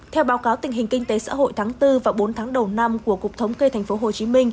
theo báo cáo tình hình kinh tế xã hội tháng bốn và bốn tháng đầu năm của cục thống kê tp hcm